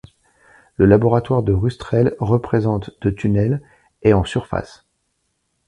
Le laboratoire de Rustrel représente de tunnels et en surface.